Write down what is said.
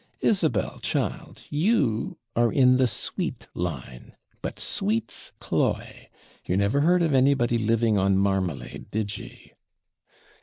Isabel, child, you are in the sweet line but sweets cloy. You never heard of anybody living on marmalade, did ye?'